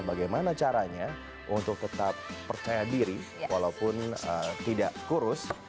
bagaimana caranya untuk tetap percaya diri walaupun tidak kurus